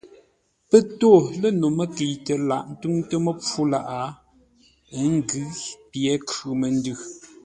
Pə́ tô lə̂ no məkəitə laghʼ ńtʉ́ŋtə́ məpfû lâʼ; ə́ ngʉ́ pye khʉ̂ məndʉ.